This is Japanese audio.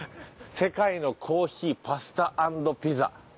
「世界のコーヒーパスタ＆ピザ」